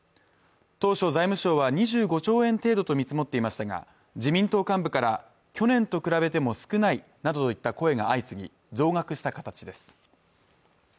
当初財務省は２５兆円程度と見積もっていましたが自民党幹部から去年と比べても少ないなどといった声が相次ぎ増額した形です